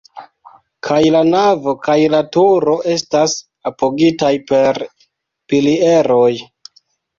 Kaj la navo kaj la turo estas apogitaj per pilieroj.